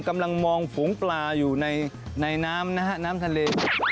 กำลังมองฝูงปลาอยู่ในน้ำนะฮะน้ำทะเล